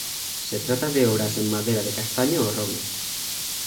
Se trata de obras en madera de castaño o roble.